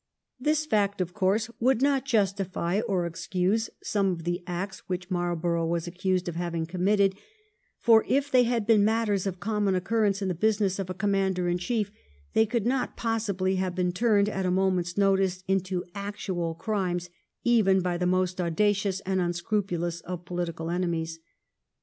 This fact of course would not justify or excuse some of the acts which Marlborough was accused of having committed, for if they had been matters of common occurrence in the business of a Commander in Chief, they could not possibly have been turned, at a moment's notice, into actual crimes even by the most audacious and unscrupulous of political enemies.